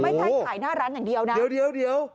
ถ่ายหน้าร้านอย่างเดียวนะเดี๋ยว